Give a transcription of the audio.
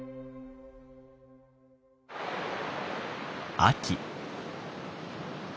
秋。